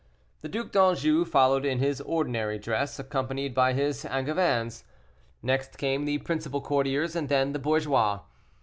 The Duc d'Anjou followed in his ordinary dress, accompanied by his Angevins. Next came the principal courtiers, and then the bourgeois.